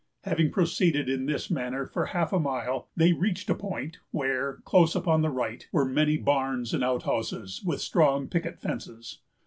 Having proceeded in this manner for half a mile, they reached a point where, close upon the right, were many barns and outhouses, with strong picket fences.